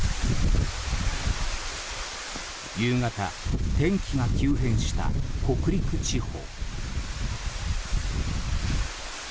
夕方、天気が急変した北陸地方。